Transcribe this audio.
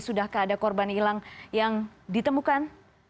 sudahkah ada korban hilang yang ditemukan